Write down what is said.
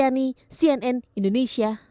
yani cnn indonesia